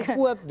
lebih kuat dia